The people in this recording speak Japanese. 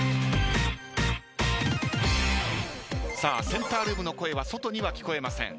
センタールームの声は外には聞こえません。